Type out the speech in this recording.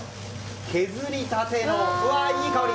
削りたてのいい香り！